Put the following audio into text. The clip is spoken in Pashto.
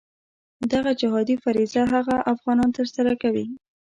دغه جهادي فریضه هغه افغانان ترسره کوي.